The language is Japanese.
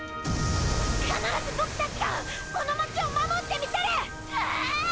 必ずボクたちがこの街を守ってみせる！！はああぁぁ！！